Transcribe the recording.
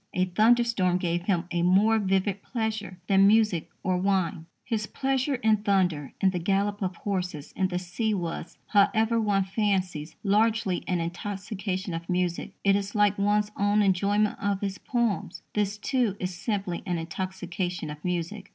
A thunderstorm gave him "a more vivid pleasure than music or wine." His pleasure in thunder, in the gallop of horses, in the sea, was, however, one fancies, largely an intoxication of music. It is like one's own enjoyment of his poems. This, too, is simply an intoxication of music.